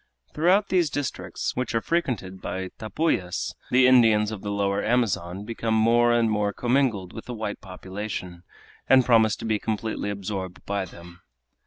Throughout these districts, which are frequented by Tapuyas, the Indians of the Lower Amazon become more and more commingled with the white population, and promise to be completely absorbed by them.